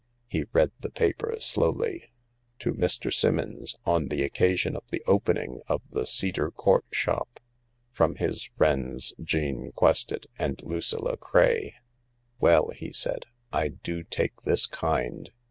He read the paper slowly : "To Mr. Simmpns on tfye occasion of the opeijing of the Cedar Court shop. From his friends Jane Quested and tucilla Craye/' "WelJ," he sa*d, "I do take this kind.